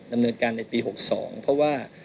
นำเนินการในตระกอบปี๖๒